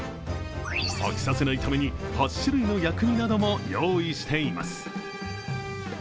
飽きさせないために８種類の薬味なども用意しています。